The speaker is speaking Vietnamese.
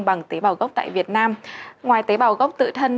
bằng tế bào gốc tại việt nam ngoài tế bào gốc tự thân